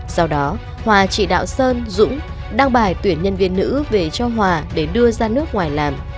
sau đó hòa chỉ đạo sơn dũng đăng bài tuyển nhân viên nữ về cho hòa để đưa ra nước ngoài làm